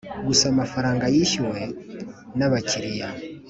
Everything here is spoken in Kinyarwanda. gusa amafaranga yishyuwe n abakiriya